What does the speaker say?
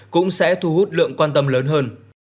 cũng sẽ thu hút lượng quan tâm lớn hơn